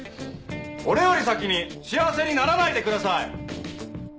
俺より先に幸せにならないでください！